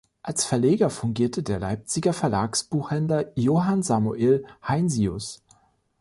Als Verleger fungierte der Leipziger Verlagsbuchhändler Johann Samuel Heinsius.